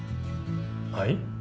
はい？